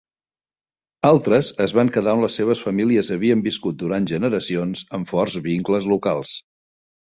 Altres es van quedar on les seves famílies havien viscut durant generacions, amb forts vincles locals.